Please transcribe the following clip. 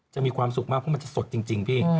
มีความสุขมากเพราะมันจะสดจริงพี่